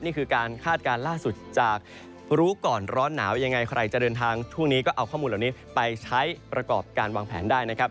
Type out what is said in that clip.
นี่คือการคาดการณ์ล่าสุดจากรู้ก่อนร้อนหนาวยังไงใครจะเดินทางช่วงนี้ก็เอาข้อมูลเหล่านี้ไปใช้ประกอบการวางแผนได้นะครับ